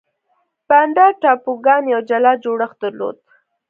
بانډا ټاپوګان یو جلا جوړښت درلود.